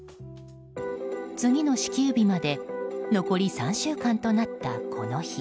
次の支給日まで残り３週間となったこの日。